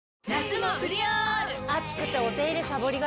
暑くてお手入れさぼりがち。